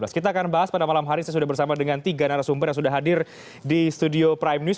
kita akan bahas pada malam hari saya sudah bersama dengan tiga narasumber yang sudah hadir di studio prime news